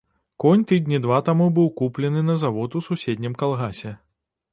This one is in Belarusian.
Конь тыдні два таму быў куплены на завод у суседнім калгасе.